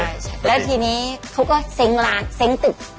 ใช่แล้วทีนี้เขาก็เซ้งร้านเซ้งตึก